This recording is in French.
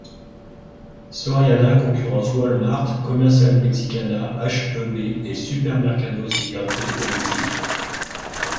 Soriana concurrence Wal-Mart, Comercial Mexicana, H-E-B, et Supermercados Gigante au Mexique.